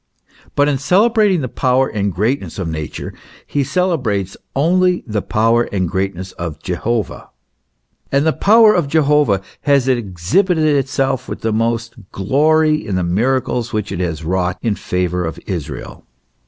But in celebrating the power and greatness of Nature, he celebrates only the power and greatness of Je hovah. And the power of Jehovah has exhibited itself with the most glory, in the miracles which it has wrought in favour of Israel.